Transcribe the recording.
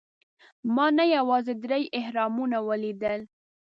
ما نه یوازې درې اهرامونه ولیدل.